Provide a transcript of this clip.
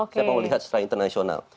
saya mau melihat secara internasional